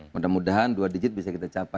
mudah mudahan dua digit bisa kita capai